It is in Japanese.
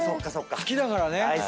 大好きだからね。